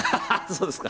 そうですか。